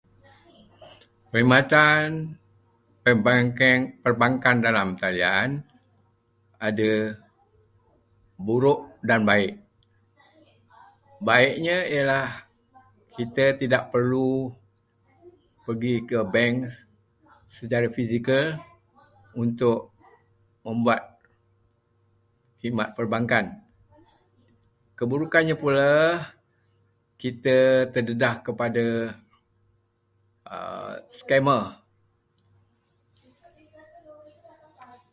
Perkhidmatan perbankan- perbankan dalam talian dan buruk dan baik. Baiknya ialah kita tidak perlu pergi ke bank secara fizikal untuk membuat khidmat perbankan. Keburukannya pula, kita terdedah kepada scammer.